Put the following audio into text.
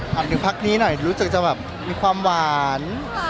หรือคือพักนี้หน่อยรู้สึกจะมีความหวาน